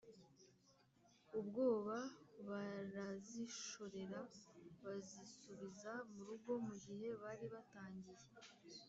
ubwoba, barazishorera bazisubiza mu rugo. mu gihe bari batangiye